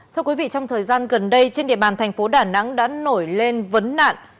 thưa quý vị trong thời gian gần đây trên địa bàn thành phố đà nẵng đã nổi lên vấn nạn